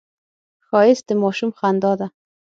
ښایست د ماشوم خندا ده